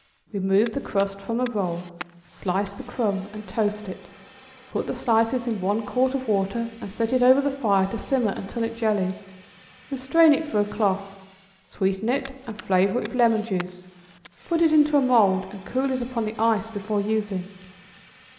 = Remove the crust from a roll, slice the crumb, and toast it; put the slices in one quart of water, and set it over the fire to simmer until it jellies; then strain it through a cloth, sweeten it, and flavor it with lemon juice; put it into a mould and cool it upon the ice before using.